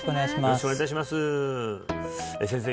よろしくお願いいたします先生